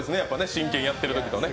真剣にやってるときとね。